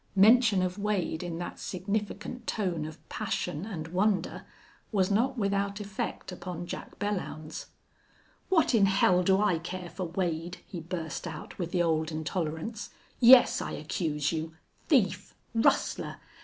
Mention of Wade in that significant tone of passion and wonder was not without effect upon Jack Belllounds. "What in hell do I care for Wade?" he burst out, with the old intolerance. "Yes, I accuse you. Thief, rustler!...